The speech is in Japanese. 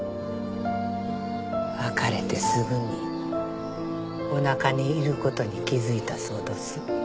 別れてすぐにおなかにいることに気付いたそうどす。